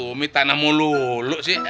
umi tanah mau luluk sih